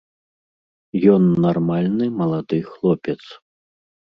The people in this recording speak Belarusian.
Ён нармальны малады хлопец.